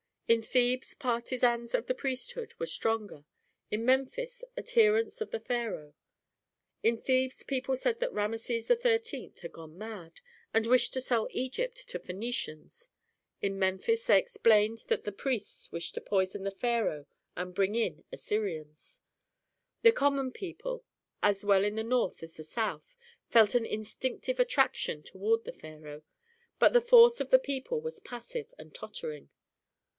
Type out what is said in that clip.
In Thebes partisans of the priesthood were stronger, in Memphis adherents of the pharaoh. In Thebes people said that Rameses XIII. had gone mad, and wished to sell Egypt to Phœnicians; in Memphis they explained that the priests wished to poison the pharaoh and bring in Assyrians. The common people, as well in the north as the south, felt an instinctive attraction toward the pharaoh. But the force of the people was passive and tottering.